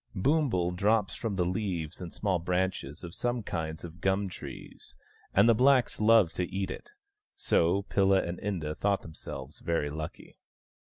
Boombul drops from the leaves and small branches of some kinds of gum trees, and the blacks loved to eat it, so Pilla and Inda thought themselves very lucky.